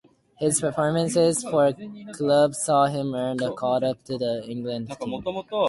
His performances for club saw him earn a call-up to the England team.